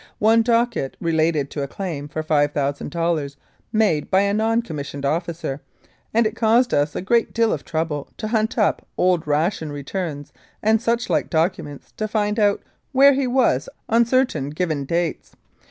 One docket related to a claim for 5,000 dollars made by a non commissioned officer, and it caused us a great deal of trouble to hunt up old ration returns and such like documents to find out where he was on certain given dates.